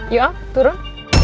yuk om turun